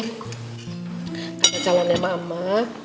karena calonnya mama